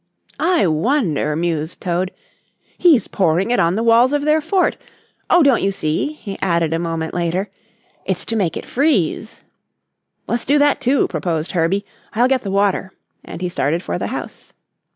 "I wonder," mused Toad. "He's pouring it on the walls of their fort. Oh, don't you see," he added a moment later, "it's to make it freeze." "Let's do that too," proposed Herbie. "I'll get the water," and he started for the house.